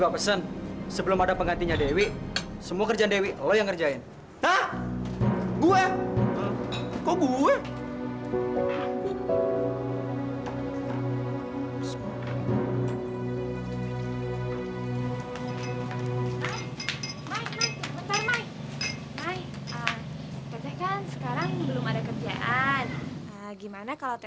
padahal kan ini berat